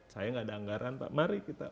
saya nggak ada anggaran pak mari kita